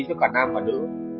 cho cả nam và nữ